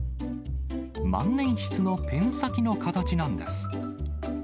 万年筆のペン先の形なんです。